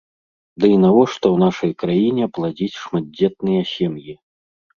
Ды і навошта ў нашай краіне пладзіць шматдзетныя сем'і?